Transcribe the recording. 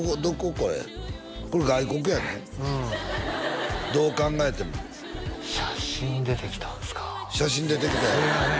これこれ外国やねどう考えても写真出てきたんすか写真出てきたよすいません